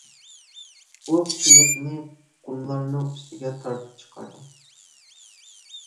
ئۇ قېيىقنى قۇملارنىڭ ئۈستىگە تارتىپ چىقاردى.